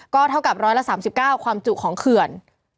ก็เท่ากับ๑๓๙ความจุของเขื่อน